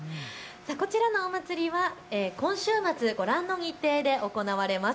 こちらのお祭りは今週末ご覧の日程で行われます。